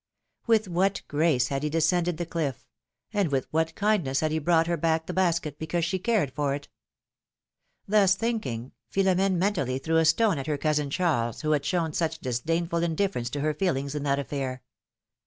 With what grace had he descended the cliff, and with what kindness had he brought her back the basket, because she cared for it ! Thus think ing, Philom5ne mentally threw a stone at her cousin Charles, who had shown such disdainful indifference to her feelings in that affair.